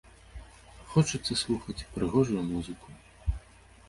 Хочацца слухаць прыгожую музыку.